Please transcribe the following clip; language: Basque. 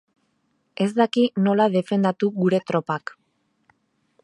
Ez daki nola defendatu gure tropak.